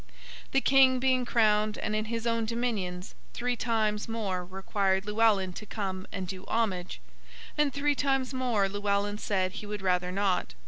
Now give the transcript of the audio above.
The King, being crowned and in his own dominions, three times more required Llewellyn to come and do homage; and three times more Llewellyn said he would rather not.